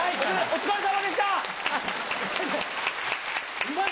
お疲れさまでした。